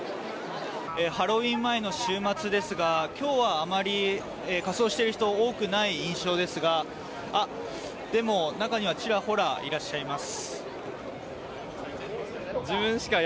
ハロウィーン前の週末ですが今日は、あまり仮装している人多くない印象ですがでも、中にはちらほらいらっしゃいます。